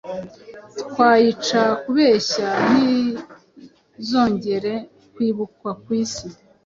twayica kubeshya ntizongere kwibukwa ku isi,